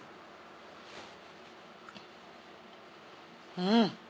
うん！